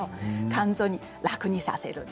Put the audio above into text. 肝臓に楽にさせる。